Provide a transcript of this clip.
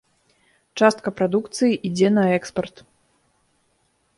Частка прадукцыі ідзе на экспарт.